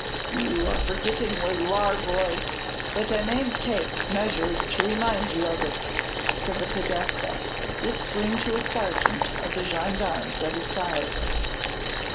"You are forgetting where you are, boy; but I may take measures to remind you of it," said the Podestà, whispering to a sergeant of the gendarmes at his side.